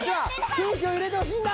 空気を入れてほしいんだ！